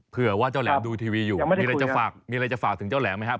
เผื่อว่าเจ้าแหลมดูทีวีอยู่มีอะไรจะฝากมีอะไรจะฝากถึงเจ้าแหลมไหมครับ